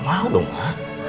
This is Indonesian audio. mau dong ma